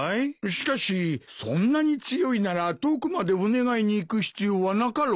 しかしそんなに強いなら遠くまでお願いに行く必要はなかろう。